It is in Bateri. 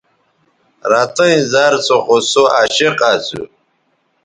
رتئیں زَر سو خو سوعشق اسُو